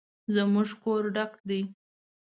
زموږ کور ډک دی